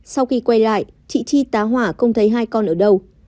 sau khi quay lại chị chi tá hỏa không thấy hai con ở đâu